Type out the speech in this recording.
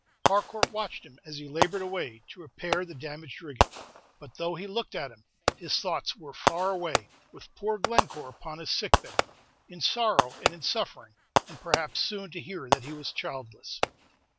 Harcourt watched him, as he labored away to repair the damaged rigging; but though he looked at him, his thoughts were far away with poor Glencore upon his sick bed, in sorrow and in suffering, and perhaps soon to hear that he was childless.